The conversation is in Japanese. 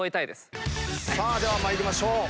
さあでは参りましょう。